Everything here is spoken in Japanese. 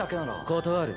断る。